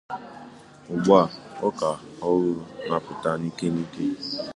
Ugbu a ọka ọhụrụ na-apụta n’ike n’ike